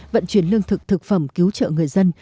vận chuyển lương thực thực phẩm cứu trợ người dân